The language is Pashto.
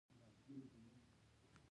د سبسایډي سیستم هلته عام دی.